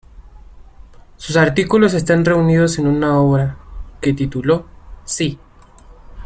Sus artículos están reunidos en una obra que tituló “Sí.